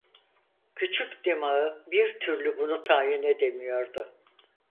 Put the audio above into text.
Küçük dimağı bir türlü bunu tayin edemiyordu.